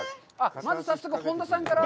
まず早速、本多さんから。